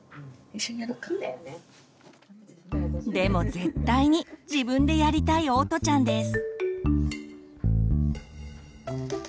でも絶対に自分でやりたいおとちゃんです。